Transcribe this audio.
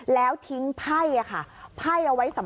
แล้วทิ้งไพ่